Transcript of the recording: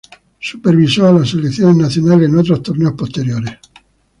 Supervisó a las selecciones nacionales en otros torneos posteriores.